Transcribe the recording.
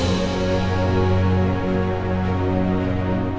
ini vulernya itu pelepaskan toxins